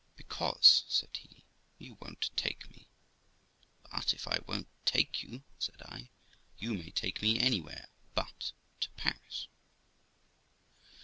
'Because', said he, 'you won't take me.' 'But, if I won't take you', said I, 'you may take me anywhere but to Paris.'